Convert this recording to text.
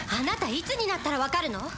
いつになったら分かるの？